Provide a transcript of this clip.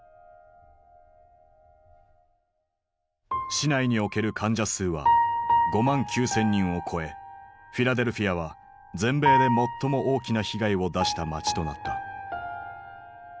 市内における患者数は５万９，０００人を超えフィラデルフィアは全米で最も大きな被害を出した街となった。